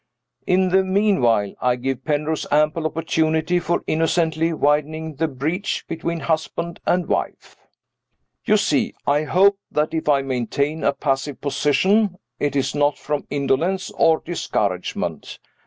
In the meanwhile, I give Penrose ample opportunity for innocently widening the breach between husband and wife. You see, I hope, that if I maintain a passive position, it is not from indolence or discouragement.